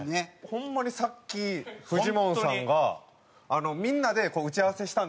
ホンマにさっきフジモンさんがみんなで打ち合わせしたんですよ。